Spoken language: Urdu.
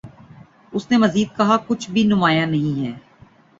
اس نے مزید کہا کچھ بھِی بہت نُمایاں نہیں ہے